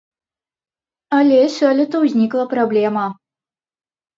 Але сёлета ўзнікла праблема.